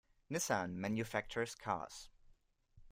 Nissan manufactures cars.